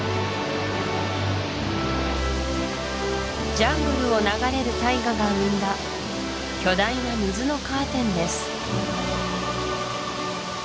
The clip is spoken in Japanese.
ジャングルを流れる大河が生んだ巨大な水のカーテンです